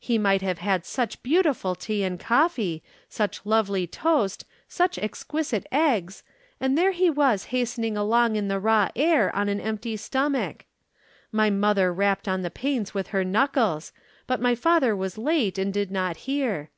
He might have had such beautiful tea and coffee, such lovely toast, such exquisite eggs, and there he was hastening along in the raw air on an empty stomach. My mother rapped on the panes with her knuckles but my father was late and did not hear.